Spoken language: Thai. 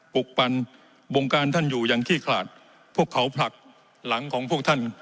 ปลุกปั่นวงการท่านอยู่อย่างขี้ขลาดพวกเขาผลักหลังของพวกท่าน